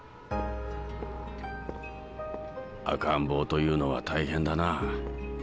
赤ん坊というのは大変だな。